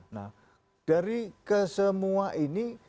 nah dari kesemua ini